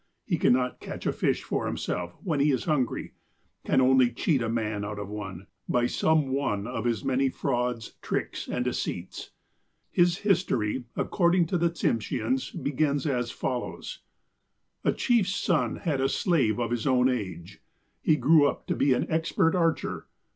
He cannot catch a fish for himself when he is hungry — can only cheat a man out of one, by some one of his many frauds, tricks and deceits. His history, according to the Tsimsheans, begins as follows :'' A chief's son had a slave of his own age. He grew up to be an expert archer.